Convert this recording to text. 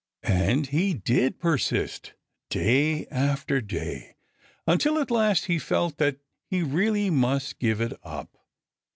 And he did persist day after day, until at last he felt that he really must give it up.